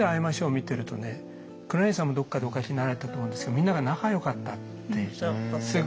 見てるとね黒柳さんもどっかでお書きになられたと思うんですけどみんなが仲よかったって。